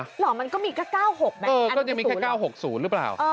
หรอมันก็มีแค่๙๖๐หรือเปล่า